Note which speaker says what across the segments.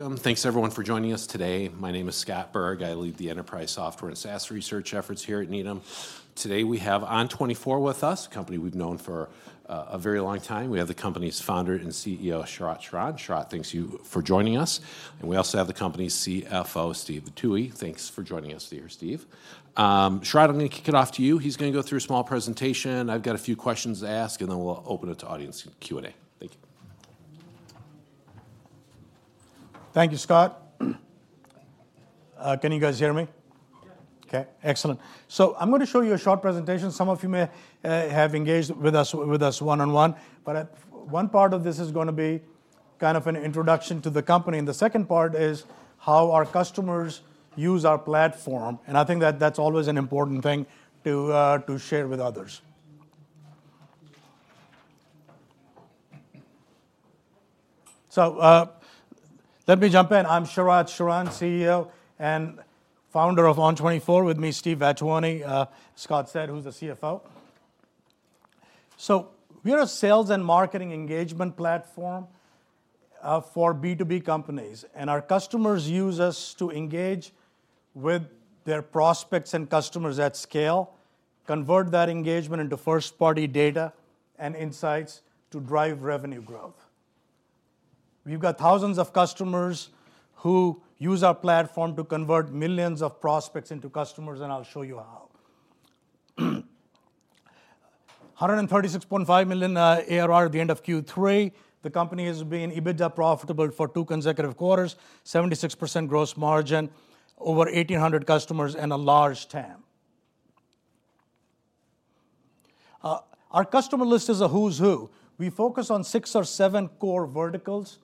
Speaker 1: Welcome. Thanks, everyone, for joining us today. My name is Scott Berg. I lead the enterprise software and SaaS research efforts here at Needham. Today, we have ON24 with us, a company we've known for a very long time. We have the company's founder and CEO, Sharat Sharan. Sharat, thank you for joining us, and we also have the company's CFO, Steve Vattuone. Thanks for joining us here, Steve. Sharat, I'm gonna kick it off to you. He's gonna go through a small presentation. I've got a few questions to ask, and then we'll open it to audience Q&A. Thank you.
Speaker 2: Thank you, Scott. Can you guys hear me?
Speaker 1: Yeah.
Speaker 2: Okay, excellent. So I'm gonna show you a short presentation. Some of you may have engaged with us, with us one-on-one, but one part of this is gonna be kind of an introduction to the company, and the second part is how our customers use our platform, and I think that that's always an important thing to to share with others. So let me jump in. I'm Sharat Sharan, CEO and founder of ON24. With me, Steve Vattuone, as Scott said, who's the CFO. So we are a sales and marketing engagement platform for B2B companies, and our customers use us to engage with their prospects and customers at scale, convert that engagement into first-party data and insights to drive revenue growth. We've got thousands of customers who use our platform to convert millions of prospects into customers, and I'll show you how. $136.5 million ARR at the end of Q3. The company has been EBITDA profitable for two consecutive quarters, 76% gross margin, over 1,800 customers, and a large TAM. Our customer list is a who's who. We focus on 6 or 7 core verticals,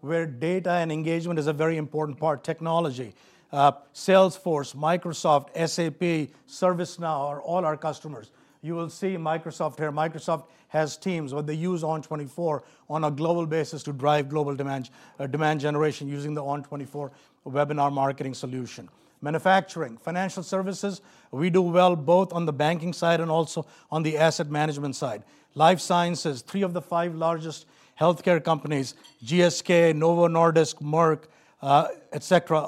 Speaker 2: where data and engagement is a very important part. Technology, Salesforce, Microsoft, SAP, ServiceNow are all our customers. You will see Microsoft here. Microsoft has Teams, where they use ON24 on a global basis to drive global demand, demand generation using the ON24 webinar marketing solution. Manufacturing, financial services, we do well both on the banking side and also on the asset management side. Life sciences, 3 of the 5 largest healthcare companies, GSK, Novo Nordisk, Merck, et cetera,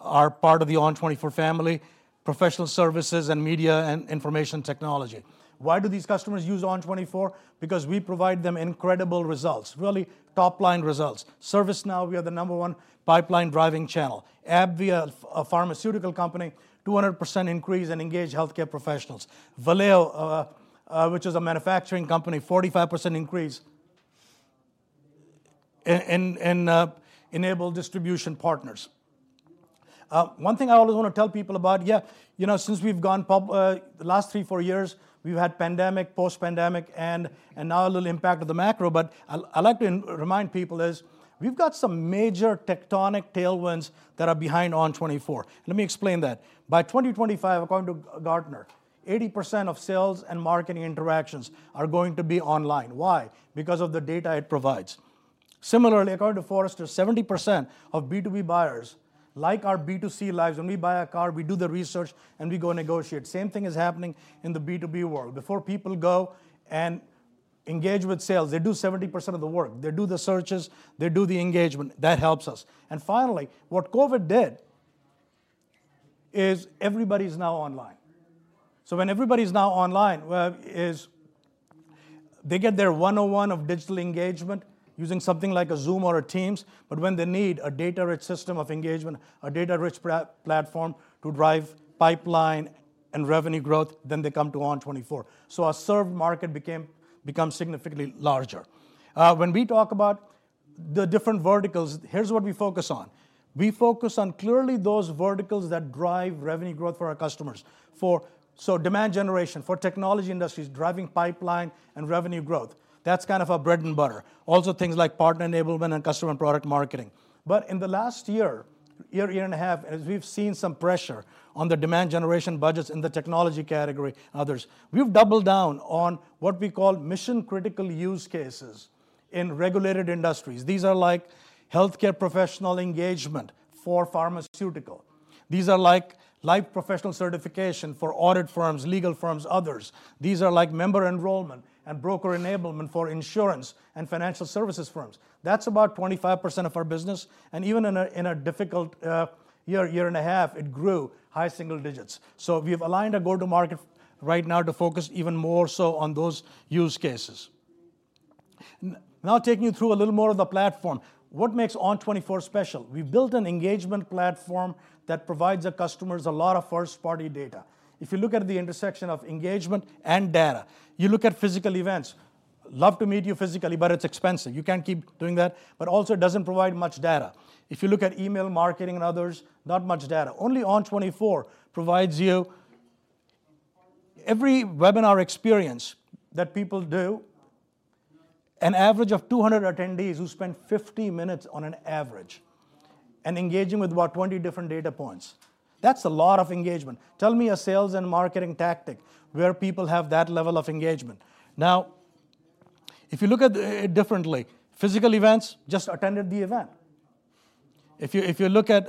Speaker 2: are part of the ON24 family. Professional services and media and information technology. Why do these customers use ON24? Because we provide them incredible results, really top-line results. ServiceNow, we are the number one pipeline-driving channel. AbbVie, a pharmaceutical company, 200% increase in engaged healthcare professionals. Valeo, which is a manufacturing company, 45% increase in enabled distribution partners. One thing I always want to tell people about, yeah, you know, since we've gone public, the last 3, 4 years, we've had pandemic, post-pandemic, and now a little impact of the macro, but I like to remind people is, we've got some major tectonic tailwinds that are behind ON24. Let me explain that. By 2025, according to Gartner, 80% of sales and marketing interactions are going to be online. Why? Because of the data it provides. Similarly, according to Forrester, 70% of B2B buyers, like our B2C lives, when we buy a car, we do the research, and we go negotiate. Same thing is happening in the B2B world. Before people go and engage with sales, they do 70% of the work. They do the searches, they do the engagement. That helps us. And finally, what COVID did is everybody's now online. So when everybody's now online, well, is they get their one-on-one of digital engagement using something like a Zoom or a Teams, but when they need a data-rich system of engagement, a data-rich platform to drive pipeline and revenue growth, then they come to ON24. So our served market become significantly larger. When we talk about the different verticals, here's what we focus on. We focus on clearly those verticals that drive revenue growth for our customers. For... So demand generation, for technology industries, driving pipeline and revenue growth, that's kind of our bread and butter. Also, things like partner enablement and customer and product marketing. But in the last year and a half, as we've seen some pressure on the demand generation budgets in the technology category and others, we've doubled down on what we call mission-critical use cases in regulated industries. These are like healthcare professional engagement for pharmaceutical. These are like live professional certification for audit firms, legal firms, others. These are like member enrollment and broker enablement for insurance and financial services firms. That's about 25% of our business, and even in a difficult year and a half, it grew high single digits. So we've aligned our go-to-market right now to focus even more so on those use cases. Now taking you through a little more of the platform. What makes ON24 special? We've built an engagement platform that provides our customers a lot of first-party data. If you look at the intersection of engagement and data, you look at physical events, love to meet you physically, but it's expensive. You can't keep doing that, but also it doesn't provide much data. If you look at email marketing and others, not much data. Only ON24 provides you every webinar experience that people do, an average of 200 attendees who spend 50 minutes on an average and engaging with about 20 different data points. That's a lot of engagement. Tell me a sales and marketing tactic where people have that level of engagement. Now, if you look at it differently, physical events, just attended the event.... If you look at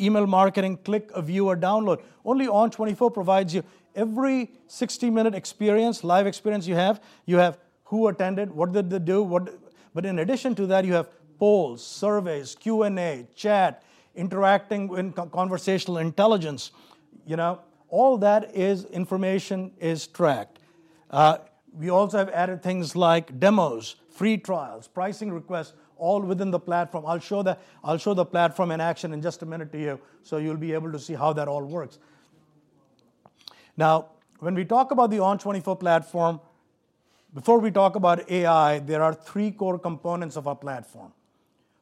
Speaker 2: email marketing, click, view, or download, only ON24 provides you every 60-minute experience, live experience you have, you have who attended, what did they do. But in addition to that, you have polls, surveys, Q&A, chat, interacting with conversational intelligence. You know, all that is information is tracked. We also have added things like demos, free trials, pricing requests, all within the platform. I'll show the platform in action in just a minute to you, so you'll be able to see how that all works. Now, when we talk about the ON24 platform, before we talk about AI, there are three core components of our platform.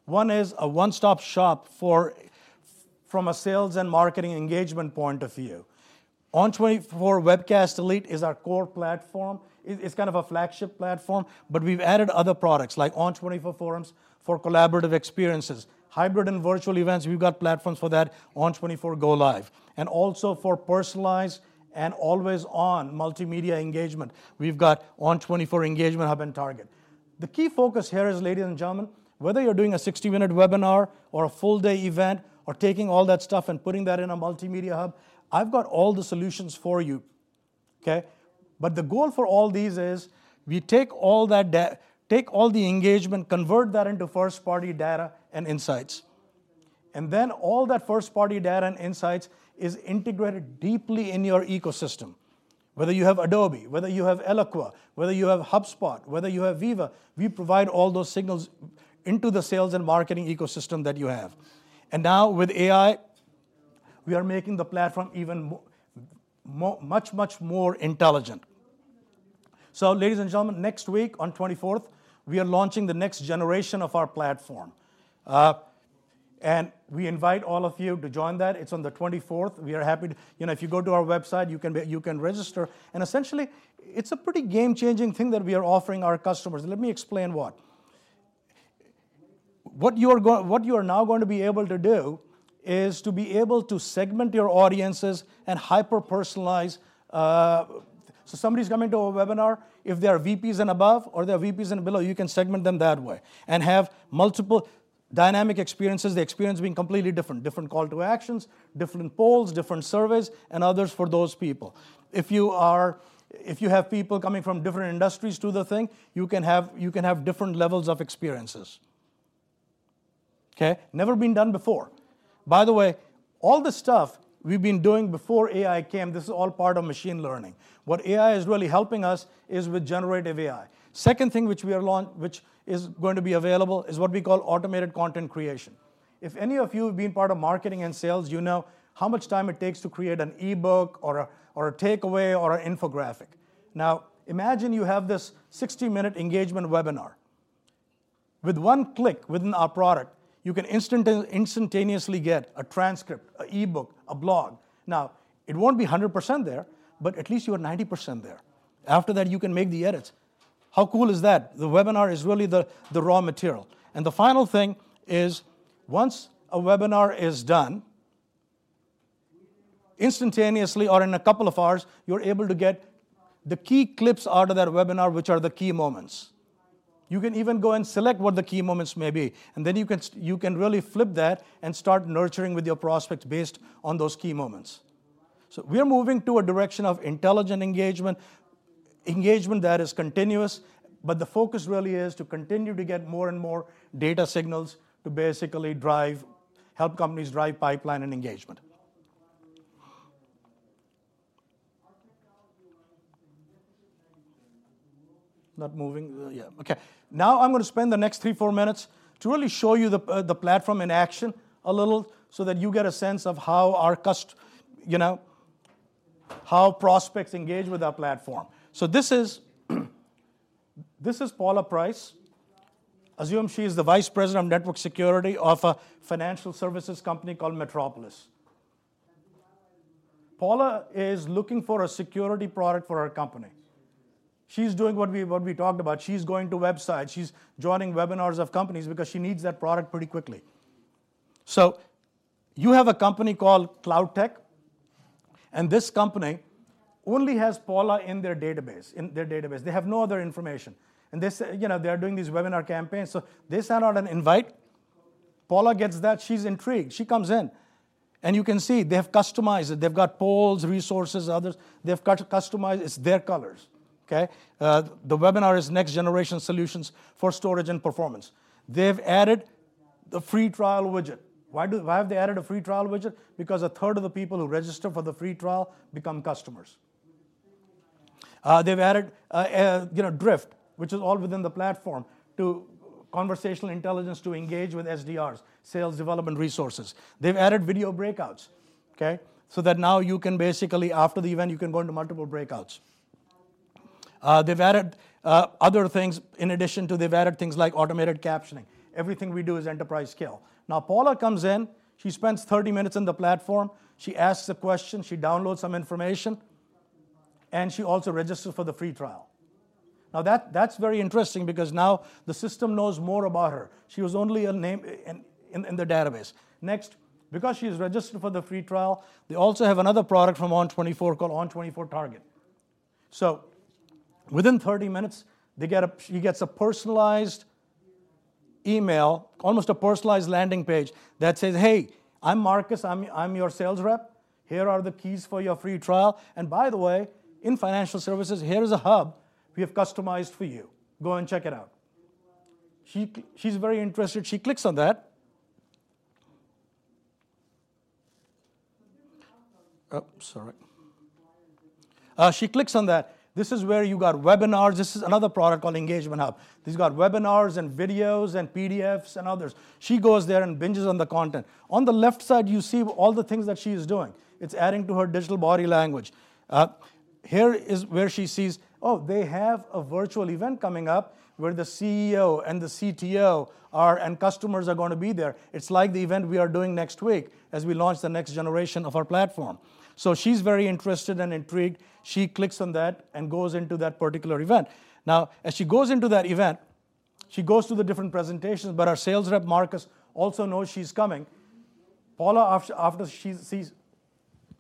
Speaker 2: One is a one-stop shop from a sales and marketing engagement point of view. ON24 Webcast Elite is our core platform. It's kind of a flagship platform, but we've added other products like ON24 Forums for collaborative experiences. Hybrid and virtual events, we've got platforms for that, ON24 Go Live. And also for personalized and always-on multimedia engagement, we've got ON24 Engagement Hub and Target. The key focus here is, ladies and gentlemen, whether you're doing a 60-minute webinar or a full-day event, or taking all that stuff and putting that in a multimedia hub, I've got all the solutions for you. Okay? But the goal for all these is, we take all the engagement, convert that into first-party data and insights, and then all that first-party data and insights is integrated deeply in your ecosystem. Whether you have Adobe, whether you have Eloqua, whether you have HubSpot, whether you have Veeva, we provide all those signals into the sales and marketing ecosystem that you have. And now, with AI, we are making the platform even much, much more intelligent. So ladies and gentlemen, next week, on 24th, we are launching the next generation of our platform. We invite all of you to join that. It's on the 24th. We are happy. You know, if you go to our website, you can register, and essentially, it's a pretty game-changing thing that we are offering our customers. Let me explain what. What you are now going to be able to do is to be able to segment your audiences and hyper-personalize. So somebody's coming to a webinar, if they are VPs and above, or they are VPs and below, you can segment them that way, and have multiple dynamic experiences, the experience being completely different. Different calls to action, different polls, different surveys, and others for those people. If you have people coming from different industries do the thing, you can have different levels of experiences. Okay? Never been done before. By the way, all the stuff we've been doing before AI came, this is all part of machine learning. What AI is really helping us is with generative AI. Second thing which we have launched, which is going to be available, is what we call automated content creation. If any of you have been part of marketing and sales, you know how much time it takes to create an e-book or a takeaway, or an infographic. Now, imagine you have this 60-minute engagement webinar. With one click within our product, you can instantaneously get a transcript, an e-book, a blog. Now, it won't be 100% there, but at least you are 90% there. After that, you can make the edits. How cool is that? The webinar is really the raw material. And the final thing is, once a webinar is done, instantaneously or in a couple of hours, you're able to get the key clips out of that webinar, which are the Key Moments. You can even go and select what the Key Moments may be, and then you can really flip that and start nurturing with your prospects based on those Key Moments. So we are moving to a direction of intelligent engagement, engagement that is continuous, but the focus really is to continue to get more and more data signals to basically drive... help companies drive pipeline and engagement. Not moving? Yeah. Okay. Now, I'm gonna spend the next 3, 4 minutes to really show you the, the platform in action a little, so that you get a sense of how you know, how prospects engage with our platform. So this is Paula Price. Assume she's the vice president of network security of a financial services company called Metropolis. Paula is looking for a security product for her company. She's doing what we talked about. She's going to websites, she's joining webinars of companies because she needs that product pretty quickly. So you have a company called CloudTek and this company only has Paula in their database. They have no other information. And they say... You know, they are doing these webinar campaigns, so they send out an invite. Paula gets that. She's intrigued. She comes in, and you can see they have customized it. They've got polls, resources, others. They've customized it. It's their colors. Okay? The webinar is Next Generation Solutions for Storage and Performance. They've added the free trial widget. Why have they added a free trial widget? Because a third of the people who register for the free trial become customers. They've added, you know, Drift, which is all within the platform, to conversational intelligence to engage with SDRs, sales development resources. They've added video breakouts, okay? So that now you can basically, after the event, you can go into multiple breakouts. They've added other things in addition to... They've added things like automated captioning. Everything we do is enterprise scale. Now, Paula comes in, she spends 30 minutes on the platform, she asks a question, she downloads some information, and she also registers for the free trial. Now, that, that's very interesting because now the system knows more about her. She was only a name in the database. Next, because she has registered for the free trial, they also have another product from ON24 called ON24 Target. So within 30 minutes, they get she gets a personalized email, almost a personalized landing page, that says, "Hey, I'm Marcus. I'm your sales rep. Here are the keys for your free trial. And by the way, in financial services, here is a hub we have customized for you. Go and check it out." She's very interested. She clicks on that. Oh, sorry. She clicks on that. This is where you got webinars. This is another product called Engagement Hub. This has got webinars and videos and PDFs and others. She goes there and binges on the content. On the left side, you see all the things that she is doing. It's adding to her digital body language. Here is where she sees, oh, they have a virtual event coming up, where the CEO and the CTO are, and customers are gonna be there. It's like the event we are doing next week, as we launch the next generation of our platform. So she's very interested and intrigued. She clicks on that and goes into that particular event. Now, as she goes into that event, she goes through the different presentations, but our sales rep, Marcus, also knows she's coming. Paula, after she sees...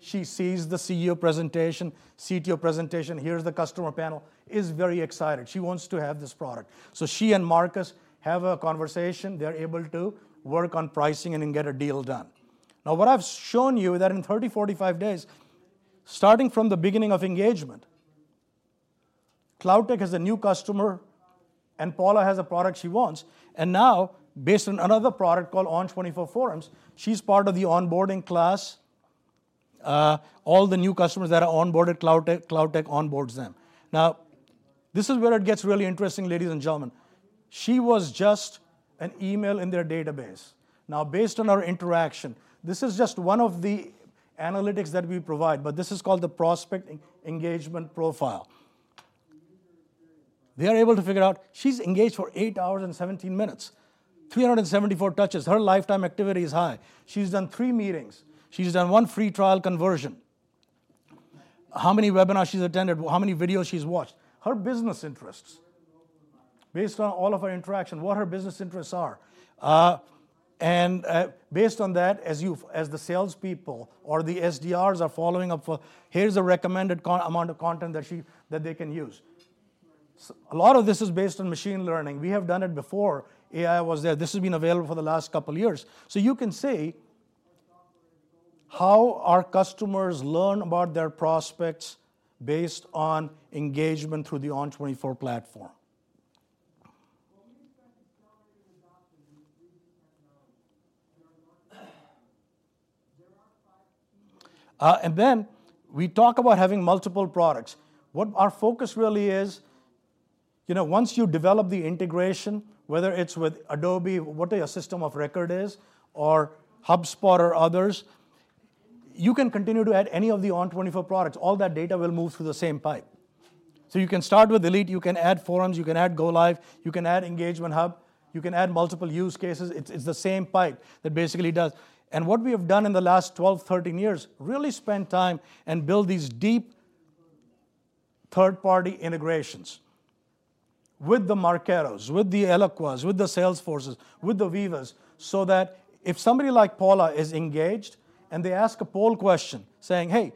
Speaker 2: She sees the CEO presentation, CTO presentation, here's the customer panel, is very excited. She wants to have this product. So she and Marcus have a conversation. They're able to work on pricing and then get a deal done. Now, what I've shown you, that in 30-45 days, starting from the beginning of engagement, CloudTek is a new customer, and Paula has a product she wants, and now, based on another product called ON24 Forums, she's part of the onboarding class. All the new customers that are onboarded, CloudTek, CloudTek onboards them. Now, this is where it gets really interesting, ladies and gentlemen. She was just an email in their database. Now, based on our interaction, this is just one of the analytics that we provide, but this is called the Prospect Engagement Profile. They are able to figure out she's engaged for 8 hours and 17 minutes, 374 touches. Her lifetime activity is high. She's done three meetings. She's done one free trial conversion. How many webinars she's attended, how many videos she's watched, her business interests. Based on all of her interaction, what her business interests are. And based on that, as the salespeople or the SDRs are following up, here's a recommended amount of content that she, that they can use. A lot of this is based on machine learning. We have done it before AI was there. This has been available for the last couple of years. So you can see how our customers learn about their prospects based on engagement through the ON24 platform. ... And then we talk about having multiple products. What our focus really is, you know, once you develop the integration, whether it's with Adobe, whatever your system of record is, or HubSpot or others, you can continue to add any of the ON24 products. All that data will move through the same pipe. So you can start with Elite, you can add Forums, you can add Go Live, you can add Engagement Hub, you can add multiple use cases. It's, it's the same pipe that basically does... What we have done in the last 12, 13 years, really spent time and build these deep third-party integrations with the Marketo, with the Eloqua, with the Salesforce, with the Veeva, so that if somebody like Paula is engaged and they ask a poll question saying, "Hey,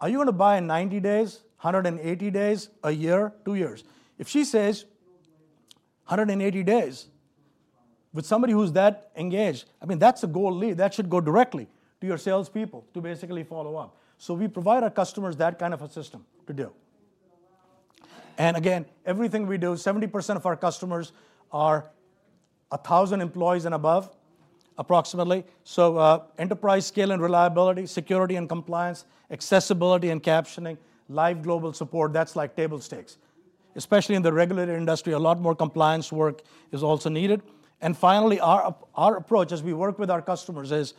Speaker 2: are you gonna buy in 90 days, 180 days, a year, two years?" If she says, "180 days," with somebody who's that engaged, I mean, that's a gold lead. That should go directly to your salespeople to basically follow up. So we provide our customers that kind of a system to do. And again, everything we do, 70% of our customers are 1,000 employees and above, approximately. So, enterprise scale and reliability, security and compliance, accessibility and captioning, live global support, that's like table stakes. Especially in the regulated industry, a lot more compliance work is also needed. And finally, our approach as we work with our customers is,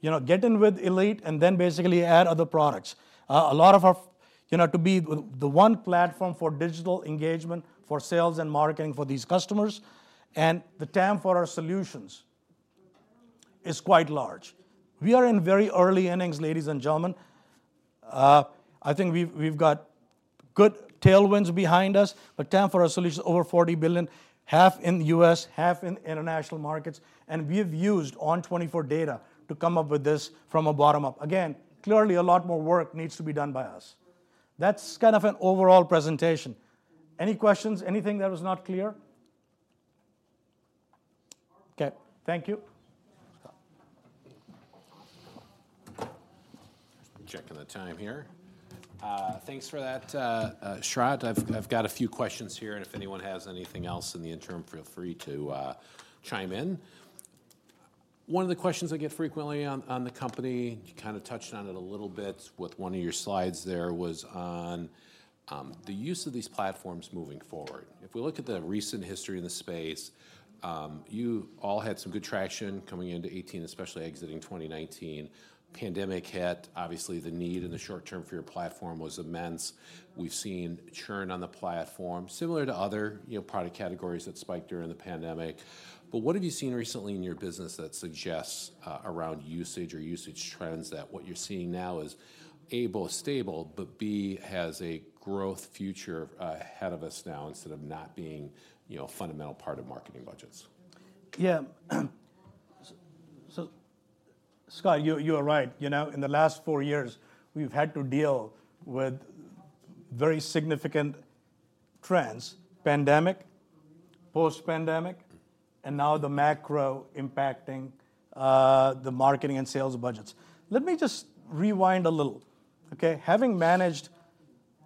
Speaker 2: you know, get in with Elite and then basically add other products. A lot of our... You know, to be the, the one platform for digital engagement, for sales and marketing for these customers, and the TAM for our solutions is quite large. We are in very early innings, ladies and gentlemen. I think we've, we've got good tailwinds behind us, but TAM for our solution is over $40 billion, half in the US, half in international markets, and we've used ON24 data to come up with this from a bottom up. Again, clearly, a lot more work needs to be done by us. That's kind of an overall presentation. Any questions? Anything that was not clear? Okay, thank you.
Speaker 1: Checking the time here. Thanks for that, Sharat. I've got a few questions here, and if anyone has anything else in the interim, feel free to chime in. One of the questions I get frequently on the company, you kind of touched on it a little bit with one of your slides there, was on the use of these platforms moving forward. If we look at the recent history in the space, you all had some good traction coming into 2018, especially exiting 2019. Pandemic hit, obviously, the need in the short term for your platform was immense. We've seen churn on the platform, similar to other, you know, product categories that spiked during the pandemic. But what have you seen recently in your business that suggests around usage or usage trends, that what you're seeing now is, A, both stable, but, B, has a growth future ahead of us now, instead of not being, you know, a fundamental part of marketing budgets?
Speaker 2: Yeah, so Scott, you are right. You know, in the last four years, we've had to deal with very significant trends: pandemic, post-pandemic, and now the macro impacting the marketing and sales budgets. Let me just rewind a little, okay? Having managed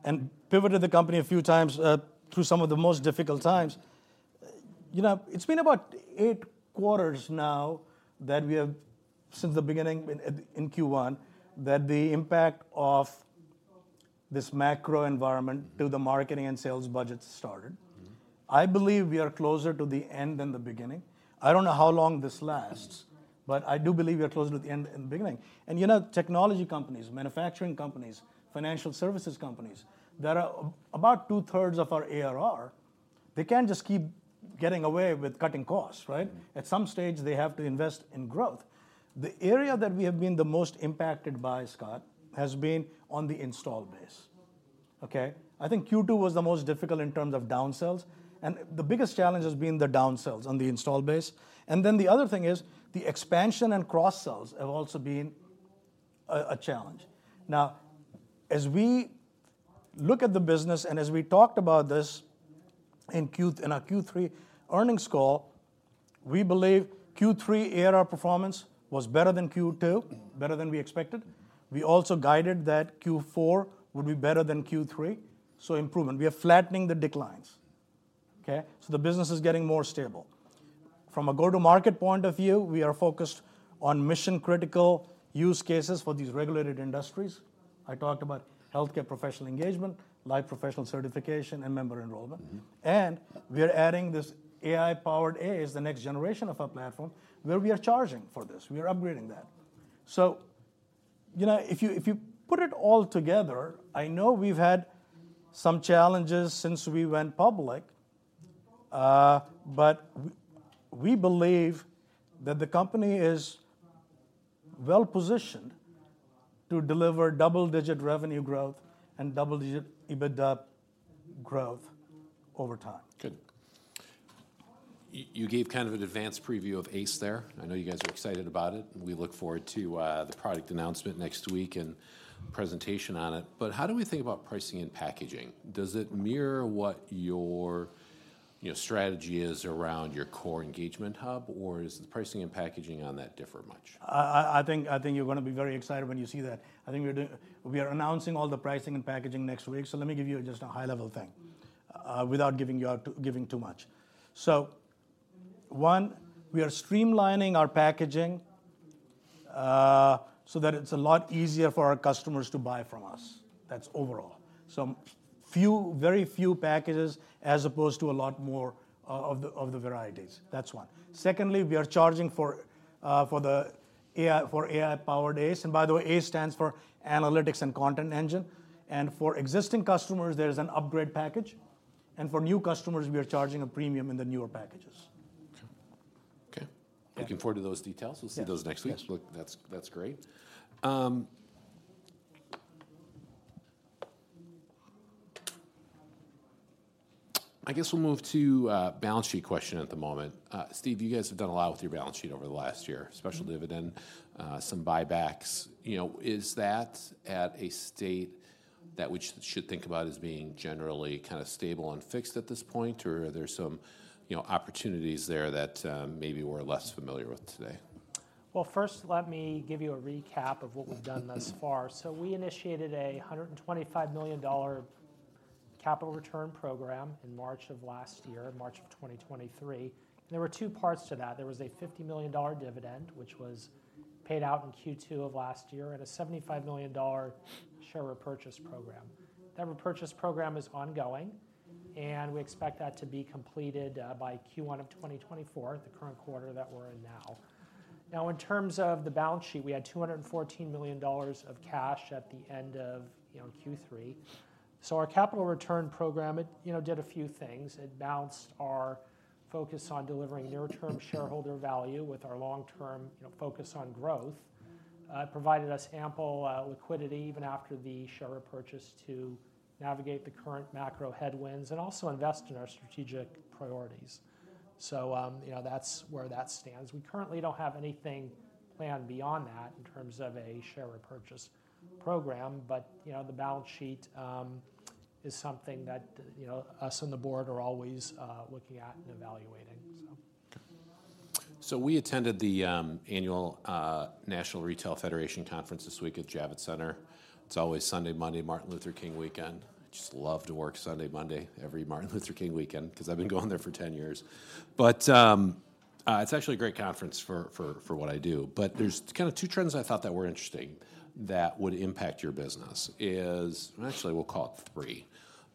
Speaker 2: and pivoted the company a few times through some of the most difficult times, you know, it's been about 8 quarters now that we have, since the beginning in Q1, that the impact of this macro environment to the marketing and sales budgets started.
Speaker 1: Mm-hmm.
Speaker 2: I believe we are closer to the end than the beginning. I don't know how long this lasts, but I do believe we are closer to the end than the beginning. You know, technology companies, manufacturing companies, financial services companies, that are about two-thirds of our ARR, they can't just keep getting away with cutting costs, right?
Speaker 1: Mm.
Speaker 2: At some stage, they have to invest in growth. The area that we have been the most impacted by, Scott, has been on the installed base, okay? I think Q2 was the most difficult in terms of down sales, and the biggest challenge has been the down sales on the installed base. Then the other thing is, the expansion and cross-sells have also been a challenge. Now, as we look at the business, and as we talked about this in our Q3 earnings call, we believe Q3 ARR performance was better than Q2-
Speaker 1: Mm.
Speaker 2: Better than we expected. We also guided that Q4 would be better than Q3, so improvement. We are flattening the declines, okay? So the business is getting more stable. From a go-to-market point of view, we are focused on mission-critical use cases for these regulated industries. I talked about healthcare professional engagement, live professional certification, and member enrollment.
Speaker 1: Mm-hmm.
Speaker 2: We are adding this AI-powered ACE, the next generation of our platform, where we are charging for this. We are upgrading that. So, you know, if you put it all together, I know we've had some challenges since we went public, but we believe that the company is well-positioned to deliver double-digit revenue growth and double-digit EBITDA growth over time.
Speaker 1: Good. You gave kind of an advanced preview of ACE there. I know you guys are excited about it, and we look forward to the product announcement next week and presentation on it. But how do we think about pricing and packaging? Does it mirror what your, you know, strategy is around your core engagement hub, or is the pricing and packaging on that differ much?
Speaker 2: I think you're gonna be very excited when you see that. I think we are announcing all the pricing and packaging next week, so let me give you just a high-level thing, without giving too much. So one, we are streamlining our packaging, so that it's a lot easier for our customers to buy from us. That's overall. So few, very few packages, as opposed to a lot more of the varieties. That's one. Secondly, we are charging for the AI... for AI-powered ACE. And by the way, ACE stands for Analytics and Content Engine. And for existing customers, there is an upgrade package, and for new customers, we are charging a premium in the newer packages.
Speaker 1: Okay.
Speaker 2: Yeah.
Speaker 1: Looking forward to those details.
Speaker 2: Yes.
Speaker 1: We'll see those next week.
Speaker 2: Yes.
Speaker 1: Well, that's, that's great. I guess we'll move to a balance sheet question at the moment. Steve, you guys have done a lot with your balance sheet over the last year, special dividend-
Speaker 3: Mm...
Speaker 1: some buybacks. You know, is that at a state that we should think about as being generally kind of stable and fixed at this point, or are there some, you know, opportunities there that maybe we're less familiar with today?
Speaker 3: Well, first, let me give you a recap of what we've done thus far. We initiated a $125 million capital return program in March of last year, in March of 2023. There were two parts to that. There was a $50 million dividend, which was paid out in Q2 of last year, and a $75 million share repurchase program. That repurchase program is ongoing, and we expect that to be completed by Q1 of 2024, the current quarter that we're in now. Now, in terms of the balance sheet, we had $214 million of cash at the end of, you know, Q3. So our capital return program, you know, did a few things: It balanced our focus on delivering near-term shareholder value with our long-term, you know, focus on growth, it provided us ample liquidity, even after the share repurchase, to navigate the current macro headwinds and also invest in our strategic priorities. So, you know, that's where that stands. We currently don't have anything planned beyond that in terms of a share repurchase program, but, you know, the balance sheet is something that, you know, us and the board are always looking at and evaluating, so.
Speaker 1: So we attended the annual National Retail Federation conference this week at Javits Center. It's always Sunday, Monday, Martin Luther King weekend. Just love to work Sunday, Monday, every Martin Luther King weekend, because I've been going there for 10 years. But it's actually a great conference for what I do. But there's kind of two trends I thought that were interesting that would impact your business. Actually, we'll call it three.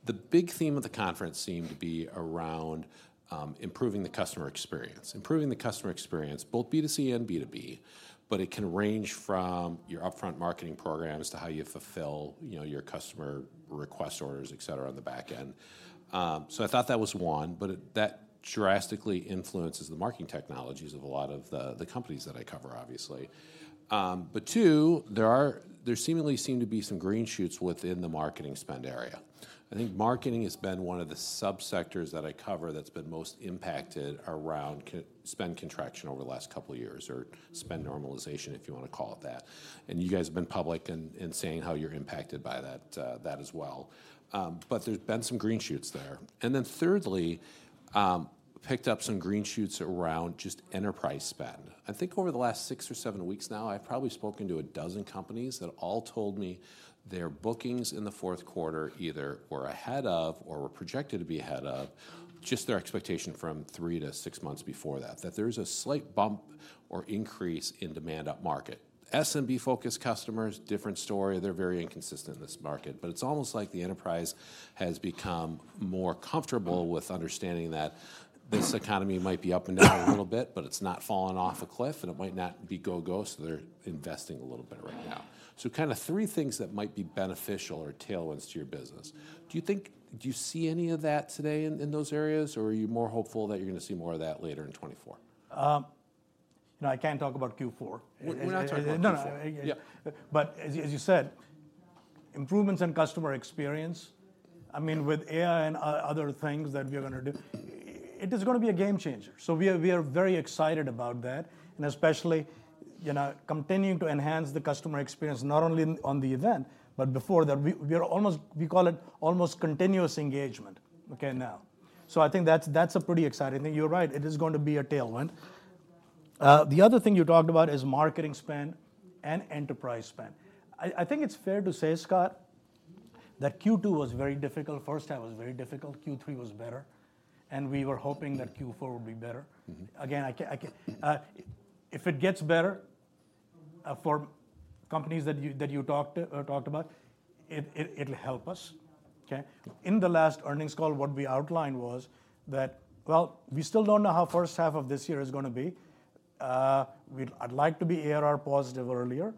Speaker 1: The big theme of the conference seemed to be around improving the customer experience. Improving the customer experience, both B2C and B2B, but it can range from your upfront marketing programs to how you fulfill, you know, your customer request orders, et cetera, on the back end. So I thought that was one, but that drastically influences the marketing technologies of a lot of the companies that I cover, obviously. But two, there seemingly seem to be some green shoots within the marketing spend area. I think marketing has been one of the sub-sectors that I cover that's been most impacted around spend contraction over the last couple of years, or spend normalization, if you want to call it that. And you guys have been public in saying how you're impacted by that as well. But there's been some green shoots there. And then thirdly, picked up some green shoots around just enterprise spend. I think over the last 6 or 7 weeks now, I've probably spoken to 12 companies that all told me their bookings in the fourth quarter either were ahead of or were projected to be ahead of just their expectation from 3-6 months before that, that there's a slight bump or increase in demand upmarket. SMB-focused customers, different story, they're very inconsistent in this market. But it's almost like the enterprise has become more comfortable with understanding that this economy might be up and down a little bit, but it's not falling off a cliff, and it might not be go, go, so they're investing a little bit right now. So kinda 3 things that might be beneficial or tailwinds to your business. Do you see any of that today in those areas, or are you more hopeful that you're gonna see more of that later in 2024?
Speaker 2: No, I can't talk about Q4.
Speaker 1: We're not talking about Q4.
Speaker 2: No, no, yeah.
Speaker 1: Yeah.
Speaker 2: But as you said, improvements in customer experience, I mean, with AI and other things that we are gonna do, it is gonna be a game changer. So we are very excited about that, and especially, you know, continuing to enhance the customer experience, not only on the event, but before that. We are almost... We call it almost continuous engagement, okay, now. So I think that's a pretty exciting thing. You're right, it is going to be a tailwind. The other thing you talked about is marketing spend and enterprise spend. I think it's fair to say, Scott, that Q2 was very difficult. First half was very difficult, Q3 was better, and we were hoping that Q4 would be better.
Speaker 1: Mm-hmm.
Speaker 2: Again, if it gets better, for companies that you talked about, it'll help us, okay? In the last earnings call, what we outlined was that... Well, we still don't know how first half of this year is gonna be. I'd like to be ARR positive earlier,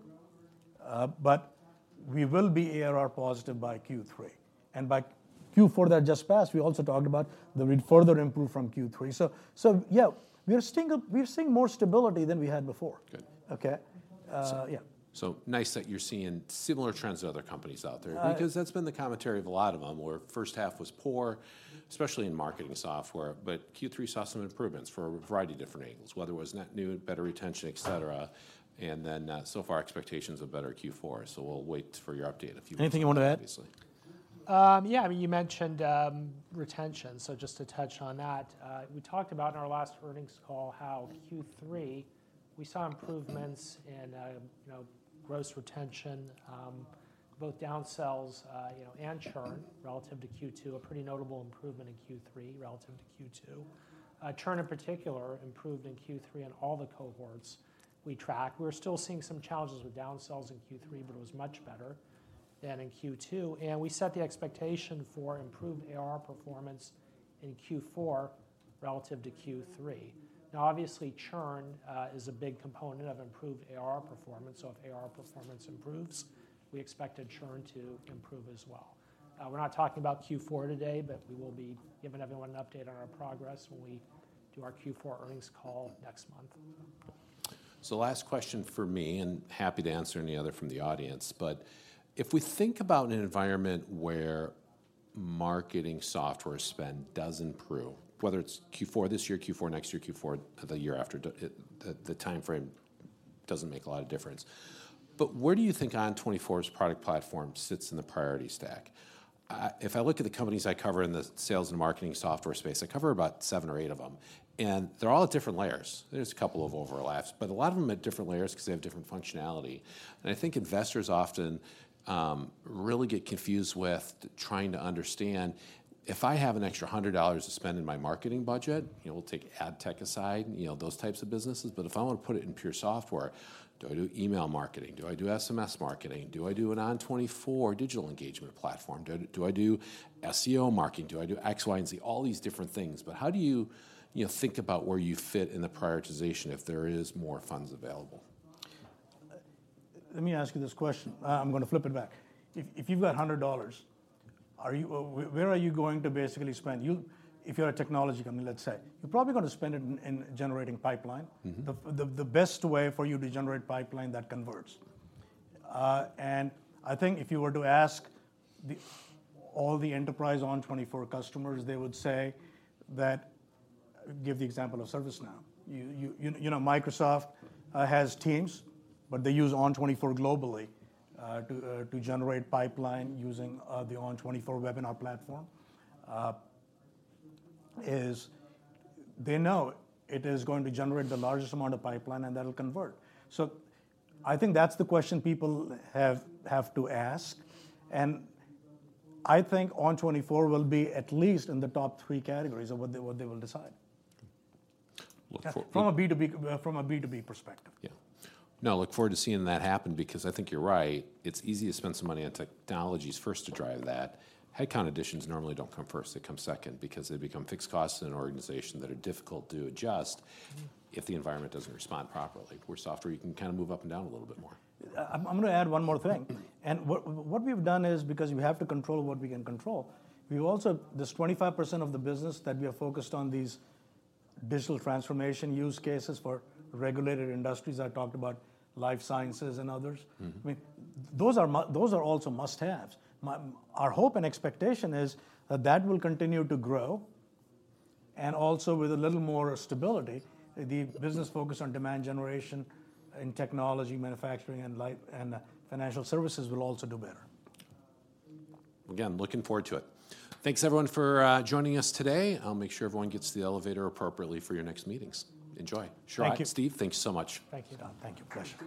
Speaker 2: but we will be ARR positive by Q3. And by Q4 that just passed, we also talked about that we'd further improve from Q3. So yeah, we are seeing more stability than we had before.
Speaker 1: Good.
Speaker 2: Okay? Yeah.
Speaker 1: So nice that you're seeing similar trends to other companies out there.
Speaker 2: Uh...
Speaker 1: because that's been the commentary of a lot of them, where first half was poor, especially in marketing software, but Q3 saw some improvements for a variety of different angles, whether it was net new, better retention, et cetera, and then so far, expectations of better Q4. So we'll wait for your update a few weeks from now, obviously.
Speaker 2: Anything you want to add?
Speaker 3: Yeah, I mean, you mentioned retention, so just to touch on that, we talked about in our last earnings call how Q3, we saw improvements in, you know, gross retention, both down sells, you know, and churn relative to Q2. A pretty notable improvement in Q3 relative to Q2. Churn, in particular, improved in Q3 in all the cohorts we track. We're still seeing some challenges with down sells in Q3, but it was much better than in Q2, and we set the expectation for improved ARR performance in Q4 relative to Q3. Now, obviously, churn is a big component of improved ARR performance, so if ARR performance improves, we expect the churn to improve as well. We're not talking about Q4 today, but we will be giving everyone an update on our progress when we do our Q4 earnings call next month.
Speaker 1: So last question from me, and happy to answer any other from the audience, but if we think about an environment where marketing software spend does improve, whether it's Q4 this year, Q4 next year, Q4 the year after, the time frame doesn't make a lot of difference, but where do you think ON24's product platform sits in the priority stack? If I look at the companies I cover in the sales and marketing software space, I cover about seven or eight of them, and they're all at different layers. There's a couple of overlaps, but a lot of them at different layers because they have different functionality. I think investors often really get confused with trying to understand, if I have an extra $100 to spend in my marketing budget, you know, we'll take ad tech aside, you know, those types of businesses, but if I want to put it in pure software, do I do email marketing? Do I do SMS marketing? Do I do an ON24 digital engagement platform? Do I do SEO marketing? Do I do X, Y, and Z? All these different things, but how do you, you know, think about where you fit in the prioritization if there is more funds available?
Speaker 2: Let me ask you this question. I'm gonna flip it back. If you've got $100, where are you going to basically spend it? If you're a technology company, let's say, you're probably gonna spend it in generating pipeline.
Speaker 1: Mm-hmm.
Speaker 2: The best way for you to generate pipeline that converts. And I think if you were to ask all the enterprise ON24 customers, they would say that... Give the example of ServiceNow. You know, Microsoft has Teams, but they use ON24 globally to generate pipeline using the ON24 webinar platform. Is they know it is going to generate the largest amount of pipeline, and that'll convert. So I think that's the question people have to ask, and I think ON24 will be at least in the top three categories of what they will decide-
Speaker 1: Look forward-...
Speaker 2: from a B2B perspective.
Speaker 1: Yeah. No, I look forward to seeing that happen because I think you're right. It's easy to spend some money on technologies first to drive that. Headcount additions normally don't come first, they come second because they become fixed costs in an organization that are difficult to adjust-
Speaker 2: Mm...
Speaker 1: if the environment doesn't respond properly, where software, you can kinda move up and down a little bit more.
Speaker 2: I'm gonna add one more thing.
Speaker 1: Mm.
Speaker 2: What, what we've done is, because we have to control what we can control, we've also... This 25% of the business that we are focused on, these digital transformation use cases for regulated industries. I talked about life sciences and others.
Speaker 1: Mm-hmm.
Speaker 2: I mean, those are also must-haves. Our hope and expectation is that that will continue to grow, and also with a little more stability, the business focus on demand generation and technology, manufacturing and and financial services will also do better.
Speaker 1: Again, looking forward to it. Thanks, everyone, for joining us today. I'll make sure everyone gets to the elevator appropriately for your next meetings. Enjoy.
Speaker 2: Thank you.
Speaker 1: Sharat, Steve, thank you so much.
Speaker 2: Thank you, Don. Thank you. Pleasure.